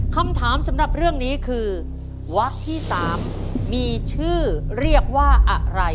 คำถามสำหรับเรื่องนี้คือวักที่๓มีชื่อเรียกว่าอะไร